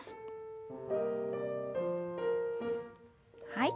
はい。